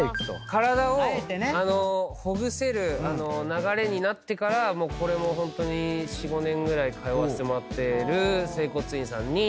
体をほぐせる流れになってからこれもホントに４５年ぐらい通わせてもらってる整骨院さんに。